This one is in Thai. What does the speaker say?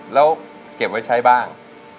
แล้วเก็บไว้ใช้บ้าง